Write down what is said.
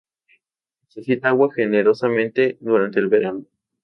Necesita agua generosamente durante el verano.